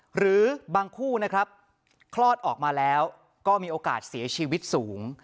หรือบางคู่นะครับคลอดออกมาแล้วก็มีโอกาสเสียชีวิตสูง